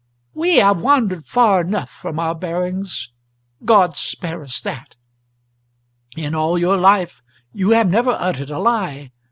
We have wandered far enough from our bearings God spare us that! In all your life you have never uttered a lie.